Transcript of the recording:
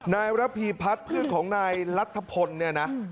นายระพีพัชเพื่อนของนายและผ่นเลยนะ